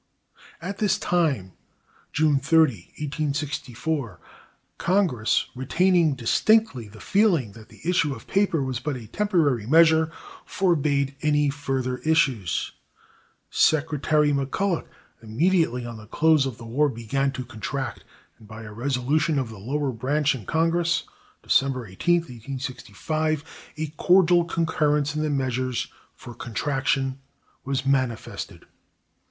At this time (June 30, 1864) Congress, retaining distinctly the feeling that the issue of paper was but a temporary measure, forbade any further issues. Secretary McCulloch, immediately on the close of the war, began to contract, and, by a resolution of the lower branch in Congress (December 18, 1865), a cordial concurrence in the measures for contraction was manifested.